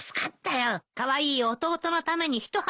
カワイイ弟のために一肌脱いだのよ。